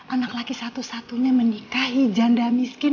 anak laki satu satunya menikahi janda miskin